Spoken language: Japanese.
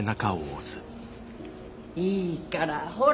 いいからほら！